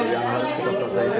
yang harus kita selesaikan